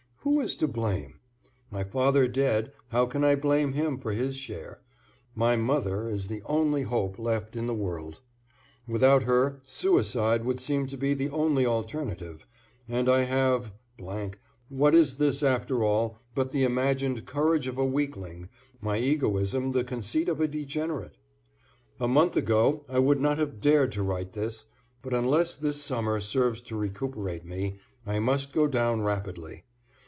Who is to blame? My father dead, how can I blame him for his share? My mother is the only hope left in the world. Without her, suicide would seem to be the only alternative, and I have ... what is this after all but the imagined courage of a weakling, my egoism the conceit of a degenerate? A month ago I would not have dared to write this, but unless this summer serves to recuperate me, I must go down rapidly.